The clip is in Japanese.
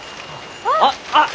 あっ！